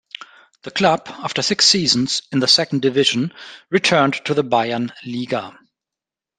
The club, after six seasons in the second division, returned to the Bayernliga.